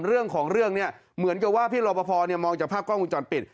เรื่องของเรื่องเนี่ยเหมือนกับว่าพี่รอปภมองจากภาพกล้องวงจรปิด